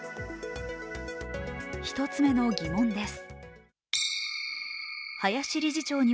１つ目の疑問です。